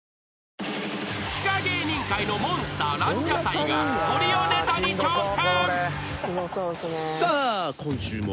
［地下芸人界のモンスターランジャタイがトリオネタに挑戦］